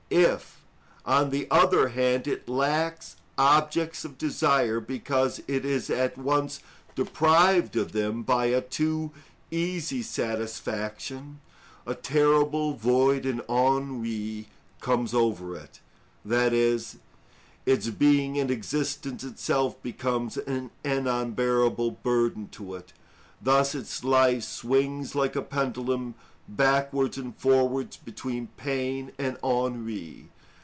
If, on the other hand, it lacks objects of desire, because it is at once deprived of them by a too easy satisfaction, a terrible void and ennui comes over it, i.e., its being and existence itself becomes an unbearable burden to it. Thus its life swings like a pendulum backwards and forwards between pain and ennui.